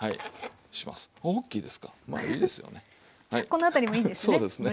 この辺りもいいですね。